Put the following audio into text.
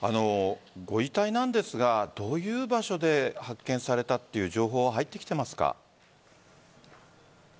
ご遺体なんですがどういう場所で発見されたという情報は入ってきていますか？